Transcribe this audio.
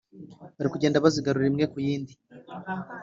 bari kugenda bazigarura, imwe ku yindi.